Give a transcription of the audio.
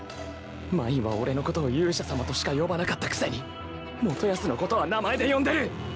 マインは俺のことを勇者様としか呼ばなかったくせに元康のことは名前で呼んでる。